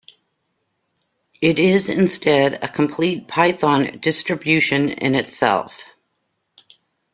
It is instead a complete Python distribution in itself.